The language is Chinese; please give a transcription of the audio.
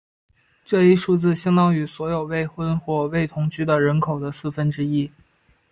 这一数字相当于所有未婚或未同居的人口的四分之一。